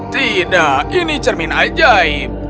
tidak ini cermin ajaib